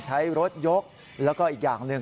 ใช้รถยกแล้วก็อีกอย่างหนึ่ง